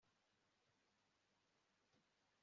yakwibagirwa ate uwamugiriye neza